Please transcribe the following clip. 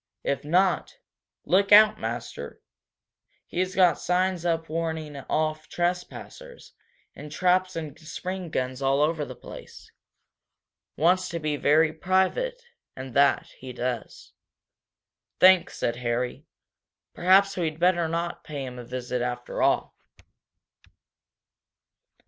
"If not look out, master! He's got signs up warning off trespassers, and traps and spring guns all over the place. Wants to be very private, and that, he does." "Thanks," said Harry. "Perhaps we'd better not pay him a visit, after all."